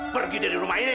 pergi dari rumah ini